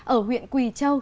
ở huyện quỳ châu